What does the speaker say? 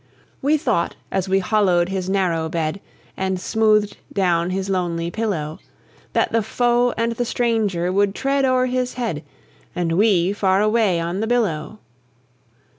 We thought, as we hollowed his narrow bed, And smoothed down his lonely pillow, That the foe and the stranger would tread o'er his head, And we far away on the billow!